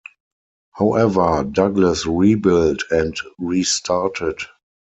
However, Douglas rebuilt and restarted.